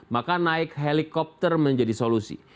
maka naik helikopter menjadi solusi